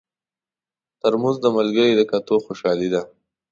ترموز د ملګري د کتو خوشالي ده.